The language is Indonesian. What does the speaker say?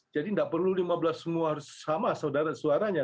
jadi nggak perlu lima belas semua harus sama saudara suaranya